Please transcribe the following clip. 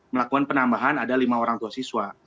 melakukan penambahan ada lima orang tua siswa